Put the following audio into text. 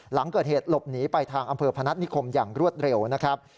หลังเกิดเหตุหลบหนีไปทางอำเภอพนัฐนิคมอย่างรวดเร็วนะครับ